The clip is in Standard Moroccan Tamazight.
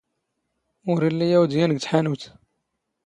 ⵓⵔ ⵉⵍⵍⵉ ⴰⵡⴷ ⵢⴰⵏ ⴳ ⵜⵃⴰⵏⵓⵜ.